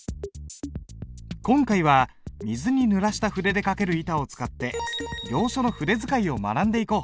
今回は水にぬらした筆で書ける板を使って行書の筆使いを学んでいこう！